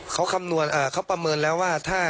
เขาคำนวณเขาประเมินแล้วว่า